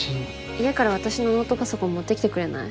家から私のノートパソコン持ってきてくれない？